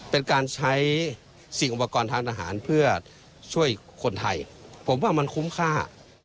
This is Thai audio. เป็นการใช้สิ่งอุปกรณ์ทางทหารเพื่อช่วยคนไทยผมว่ามันคุ้มค่า